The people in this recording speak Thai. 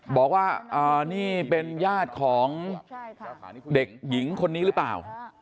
บอกว่านี่เป็นญาติของเด็กหญิงคนนี้หรือเปล่า